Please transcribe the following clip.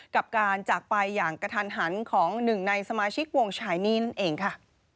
กับการจากไปอย่างกระทันหันของหนึ่งในสมาชิกวงชายหนี้นั่นเองค่ะ